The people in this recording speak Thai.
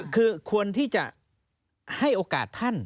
คือควรที่จะให้โอกาสท่าน